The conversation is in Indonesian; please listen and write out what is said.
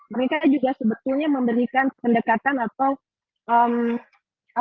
mereka juga sebetulnya memberikan pendekatan atau